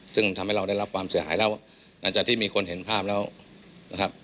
ซึ่งทำให้เราได้รับความเสียหายแล้วหลังจากที่มีคนเห็นภาพแล้วนะครับ